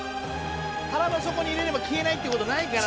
腹の底に入れれば消えないって事ないかな？